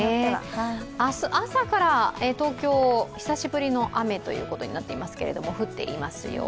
明日朝から、東京久しぶりの雨ということになっていますけども降っていますよ。